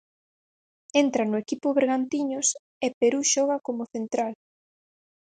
Entra no equipo Bergantiños, e Perú xoga como central.